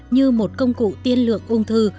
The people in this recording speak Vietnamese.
như một công cụ tiên lượng ung thư